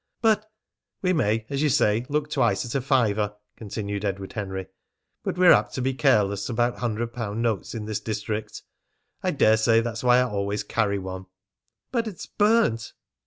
"But " "We may, as you say, look twice at a fiver," continued Edward Henry, "but we're apt to be careless about hundred pound notes in this district. I daresay that's why I always carry one." "But it's burnt!"